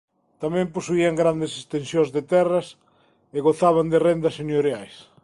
Tamén posuían grandes extensións de terras e gozaban de rendas señoriais.